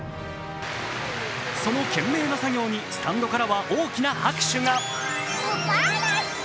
その懸命な作業にスタンドからは大きな拍手が。